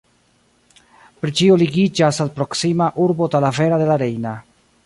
Pri ĉio ligiĝas al proksima urbo Talavera de la Reina.